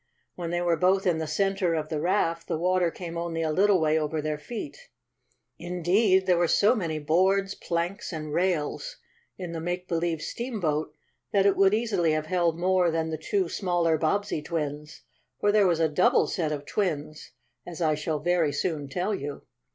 When they were both in the center of the raft the water came only a little way over their feet. Indeed there were so many boards, planks and rails in the make believe steamboat that it would easily have held more than the two smaller Bobbsey twins. For there was a double set of twins, as I shall very soon tell you.